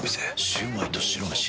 シュウマイと白めし。